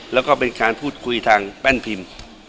แล้วก็เป็นการพูดคุยทางแป้นพิมพ์